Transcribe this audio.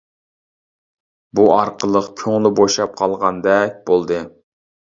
بۇ ئارقىلىق كۆڭلى بوشاپ قالغاندەك بولدى.